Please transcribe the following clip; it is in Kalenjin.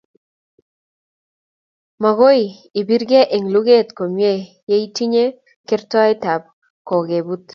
Makoi ibirkei eng lukeet komye yeoitinye kertoet ab kokebut